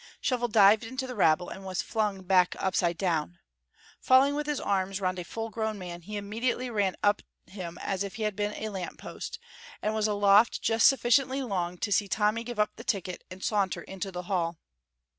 Shovel dived into the rabble and was flung back upside down. Falling with his arms round a full grown man, he immediately ran up him as if he had been a lamp post, and was aloft just sufficiently long to see Tommy give up the ticket and saunter into the hall.